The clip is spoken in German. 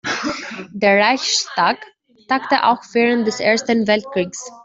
Der Reichstag tagte auch während des Ersten Weltkriegs.